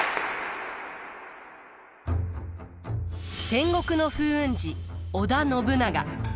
戦国の風雲児織田信長。